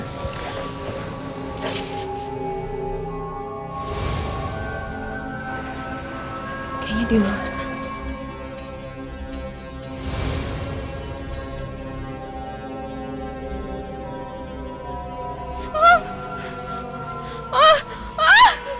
kayaknya di luar sana